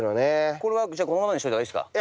これはこのままにした方がいいですか？